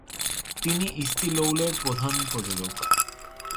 তিনি ইস্তি লৌলের প্রধান প্রযোজক।